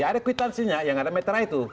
ada kwitansinya yang ada meterai